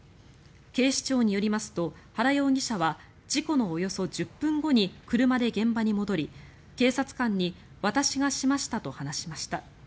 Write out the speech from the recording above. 警視庁によりますと原容疑者は事故のおよそ１０分後に車で現場に戻り警察官に、私がしましたと話しました。